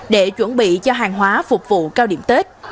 để chuẩn bị cho hàng hóa phục vụ cao điểm tết